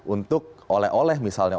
untuk oleh oleh misalnya